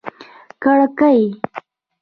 کړکۍ